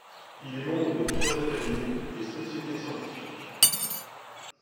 Il est membre de plusieurs académies et sociétés scientifiques.